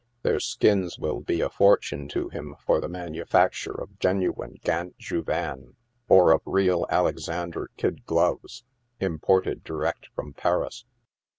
Their skins will be a fortune to him for the manufacture of genuine gants Jouvin, or of real Alexandre kid gloves, imported direct from Paris.